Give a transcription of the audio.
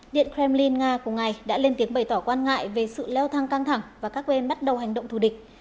điện kremlin nga cùng ngày đã lên tiếng bày tỏ quan ngại về sự leo thang căng thẳng và các bên bắt đầu hành động thù địch